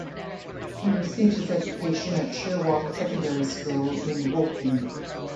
He received his education at Sheerwater Secondary School, in Woking.